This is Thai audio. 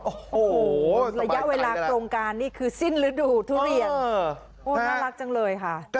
โอ้โหระยะเวลาโครงการนี่คือสิ้นฤดูทุเรียนโอ้น่ารักจังเลยค่ะ